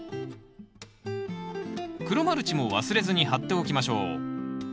黒マルチも忘れずに張っておきましょう